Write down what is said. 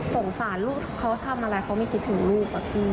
สงสารลูกเขาทำอะไรไม่คิดถึงลูก